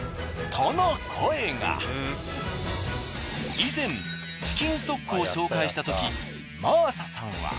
以前チキンストックを紹介したとき真麻さんは。